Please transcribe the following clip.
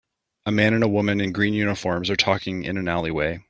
A man and a woman in green uniforms are talking in an alleyway.